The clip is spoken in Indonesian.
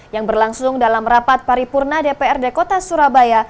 yang berlangsung dalam rapat paripurna dprd kota surabaya